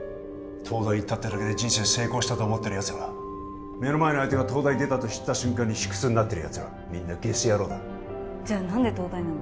東大行ったってだけで人生成功したと思ってるやつら目の前の相手が東大出たと知った瞬間に卑屈になってるやつらみんなゲス野郎だじゃあ何で東大なの？